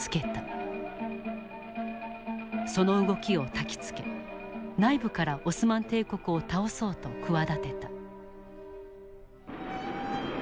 その動きをたきつけ内部からオスマン帝国を倒そうと企てた。